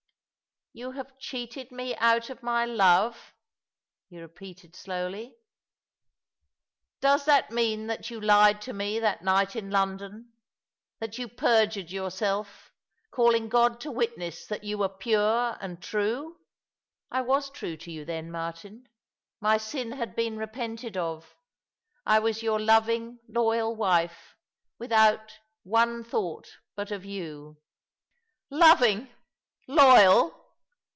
" You have cheated me out of my love," he repeated slowly. " Does that mean that you lied to me that night in London "—that you perjured yourself, calling God to witness that you were pure and true ?" "I was true to you then, Martin. My sin had been repented of. I was your loving, loyal wife, without one thought but of you." " Loving, loyal